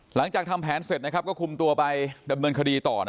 หลังจากทำแผนเสร็จก็คุมตัวไปดำเนินคดีต่อ